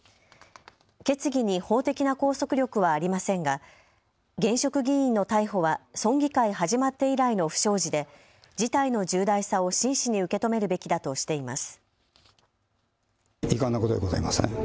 決議に法的な拘束力はありませんが現職議員の逮捕は村議会始まって以来の不祥事で事態の重大さを真摯に受け止めるべきだとしています。